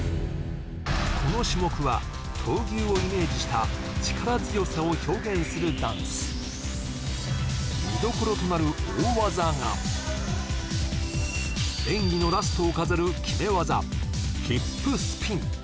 この種目は闘牛をイメージした力強さを表現するダンス見どころとなる大技が演技のラストを飾る決め技ヒップスピン